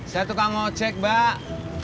saya tuh mau cek mbak